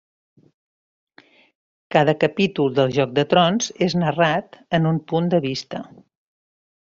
Cada capítol de Joc de Trons és narrat en un punt de vista.